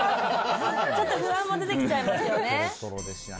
ちょっと不安も出てきちゃいますよね。